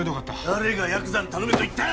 誰がヤクザに頼めと言った！